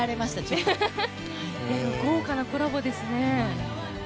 豪華なコラボですね。